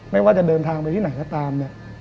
ไม่ว่าจะเดินทางไปที่ไหนก็ตามเนี่ย